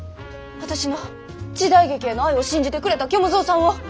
私の時代劇への愛を信じてくれた虚無蔵さんを。